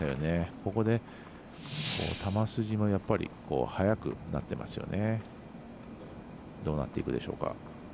ここで、球筋も速くなっていますよね。